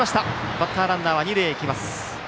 バッターランナーは二塁へ行きます。